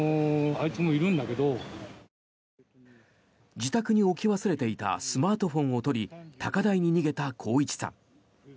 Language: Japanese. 自宅に置き忘れていたスマートフォンを取り高台に逃げた、公一さん。